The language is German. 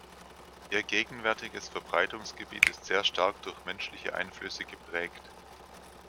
Ihr gegenwärtiges Verbreitungsgebiet ist sehr stark durch menschliche Einflüsse geprägt.